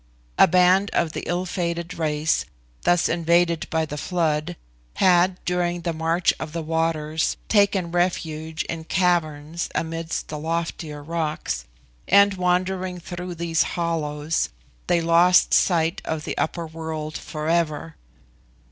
A band of the ill fated race, thus invaded by the Flood, had, during the march of the waters, taken refuge in caverns amidst the loftier rocks, and, wandering through these hollows, they lost sight of the upper world forever.